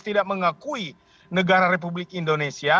tidak mengakui negara republik indonesia